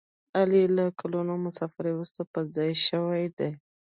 علي له کلونو مسافرۍ ورسته په ځای شوی دی.